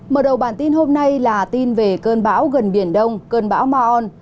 mở đầu bản tin hôm nay là tin về cơn bão gần biển đông cơn bão ma on